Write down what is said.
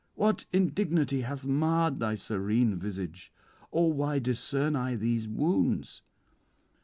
What indignity hath marred thy serene visage? or why discern I these wounds?"